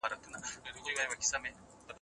د ایران مشران د هیواد په غم کې نه وو.